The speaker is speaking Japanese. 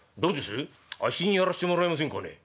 あっしにやらしてもらいませんかね？」。